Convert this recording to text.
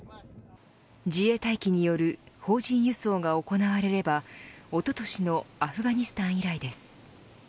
自衛隊機による邦人輸送が行われればおととしのアフガニスタン以来です。